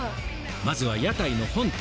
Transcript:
まずは屋台の本体。